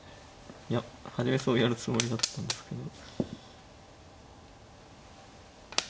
いや初めそうやるつもりだったんですけど。